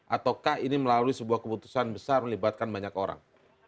ataukah ini melalui sebuah keputusan besar melibatkan banyak orang